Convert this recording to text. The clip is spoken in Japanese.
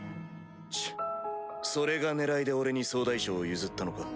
チッそれが狙いで俺に総大将を譲ったのか。